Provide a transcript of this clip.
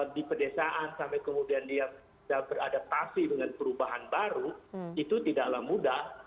di pedesaan sampai kemudian dia beradaptasi dengan perubahan baru itu tidaklah mudah